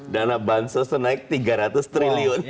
dana bansos itu naik tiga ratus triliun